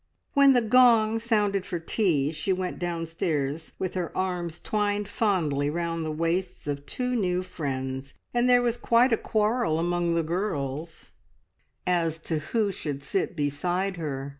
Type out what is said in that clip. When the gong sounded for tea, she went downstairs with her arms twined fondly round the waists of two new friends, and there was quite a quarrel among the girls, as to who should sit beside her.